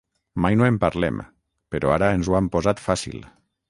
Mai no en parlem, però ara ens ho han posat fàcil.